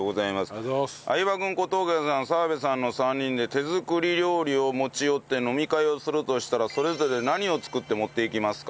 相葉くん小峠さん澤部さんの３人で手作り料理を持ち寄って飲み会をするとしたらそれぞれ何を作って持っていきますかと。